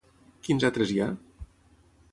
Quins altres hi ha?